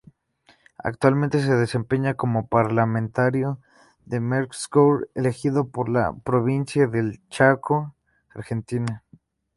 Actualmente se desempeña como Parlamentario del Mercosur elegido por la Provincia del Chaco, Argentina.